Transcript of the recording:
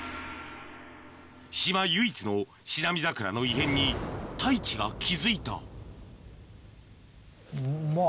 島唯一のシナミザクラの異変に太一が気付いたあぁ